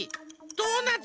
ドーナツ。